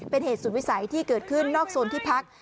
เป็นเหตุสุดวิสัยที่เกิดขึ้นนอกโซนที่พัก